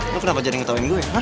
lo kenapa jadi ngetawain gue